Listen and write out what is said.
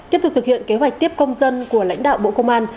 tiếp tục thực hiện kế hoạch tiếp công dân của lãnh đạo bộ công an